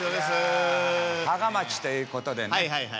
いや芳賀町ということでね